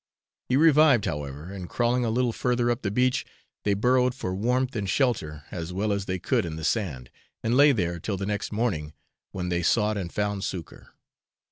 He revived, however, and crawling a little further up the beach, they burrowed for warmth and shelter as well as they could in the sand, and lay there till the next morning, when they sought and found succour.